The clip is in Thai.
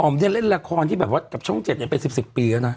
อ๋อมเนี่ยเล่นละครที่แบบว่ากับช่องเจ็ดยังเป็น๑๐ปีแล้วนะ